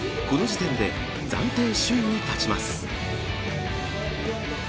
この時点で暫定首位に立ちます。